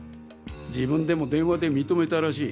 自分でも電話で認めたらしい。